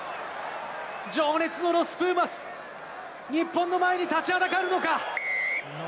情熱のロス・プーマス、日本の前に立ちはだかるのか。